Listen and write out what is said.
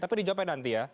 tapi di jawabannya nanti ya